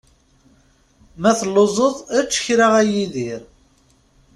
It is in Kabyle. Ma telluẓeḍ, ečč kra a Yidir.